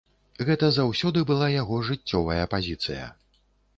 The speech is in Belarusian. Гэта заўсёды была яго жыццёвая пазіцыя.